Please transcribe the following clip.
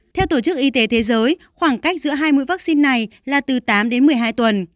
theo tổ chức y tế thế giới khoảng cách giữa hai mũi vaccine này là từ tám đến một mươi hai tuần